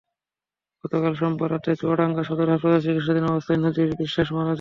গতকাল সোমবার রাতে চুয়াডাঙ্গা সদর হাসপাতালে চিকিৎসাধীন অবস্থায় নজির বিশ্বাস মারা যান।